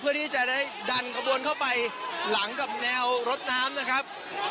เพื่อที่จะได้ดันกระบวนเข้าไปหลังกับแนวรถน้ำนะครับ